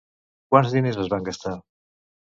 Quants diners es van gastar?